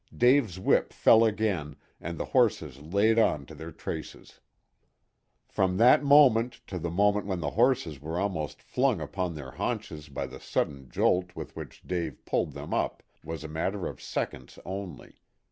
Dave's whip fell again, and the horses laid on to their traces. From that moment to the moment when the horses were almost flung upon their haunches by the sudden jolt with which Dave pulled them up was a matter of seconds only.